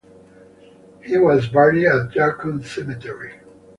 He was buried at Yarkon Cemetery.